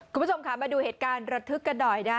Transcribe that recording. คุณผู้ชมค่ะมาดูเหตุการณ์ระทึกกันหน่อยนะ